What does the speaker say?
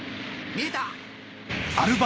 見えた！